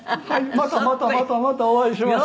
またまたまたまたお会いしました」